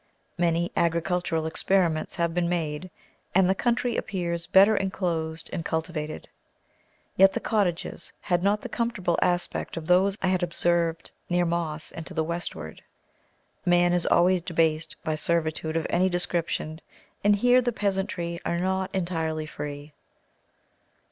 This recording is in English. Many agricultural experiments have been made, and the country appears better enclosed and cultivated, yet the cottages had not the comfortable aspect of those I had observed near Moss and to the westward. Man is always debased by servitude of any description, and here the peasantry are not entirely free.